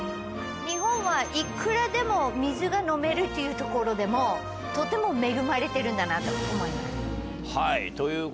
日本はいくらでも水が飲めるというところでもとても恵まれてるんだなと思います。